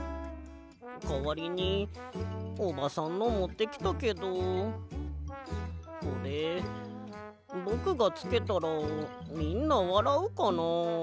かわりにおばさんのもってきたけどこれぼくがつけたらみんなわらうかな？